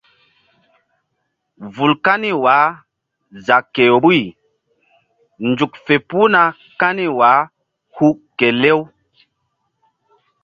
Vul kani wah za ke vbuyzuk fe puhna kani wah hu kelew.